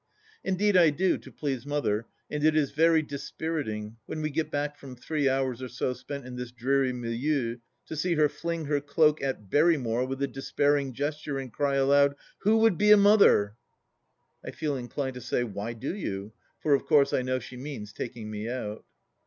Indeed I do, to please Mother, and it is very dispiriting, when we get back from three hours or so spent in this dreary milieu, to see her fling her cloak at Berrymore with a despairing gesture, and cry aloud: " Who would be a Mother ?" I feel inclined to say, " Why do you ?" for of course I know she means taking me out.